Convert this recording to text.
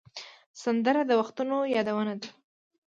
سندره د وختونو یادونه ده